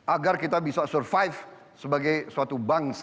agar kita bisa survive sebagai suatu bangsa